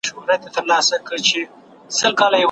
هغه تر فراغت وروسته ډېرې مقالې خپرې کړې وې.